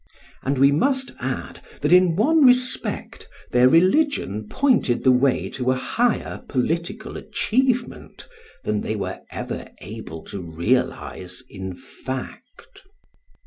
And we must add that in one respect their religion pointed the way to a higher political achievement than they were ever able to realise in fact.